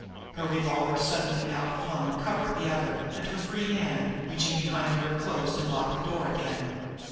Her revolver, suddenly outflung, covered the other; and her free hand, reaching behind her, closed and locked the door again.